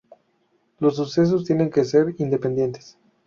Los sucesos tienen que ser independientes.